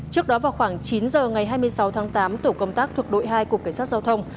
trước đó vào khoảng chín giờ ngày hai mươi sáu tháng tám tổ công tác thuộc đội hai cục cảnh sát giao thông